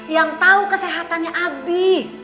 yang tau kesehatannya abi